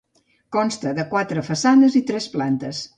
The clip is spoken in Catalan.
Consta de quatre façanes i tres plantes.